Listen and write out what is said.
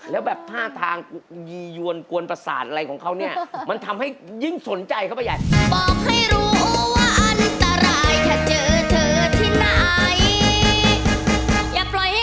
แล้วแบบพ่อทางกวนประสาทอะไรของเขามันทำให้ยิ่งสนใจเขาไปใหญ่